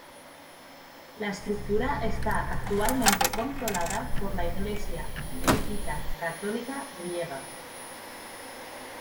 La estructura está actualmente controlada por la Iglesia melquita católica griega.